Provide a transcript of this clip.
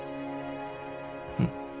うん？